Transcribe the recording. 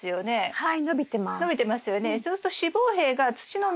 はい。